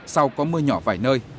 sau có mưa nhỏ vài nơi